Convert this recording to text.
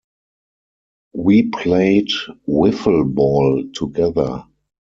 We played Wiffle ball together.